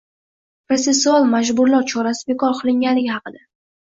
protsessual majburlov chorasi bekor qilinganligi haqida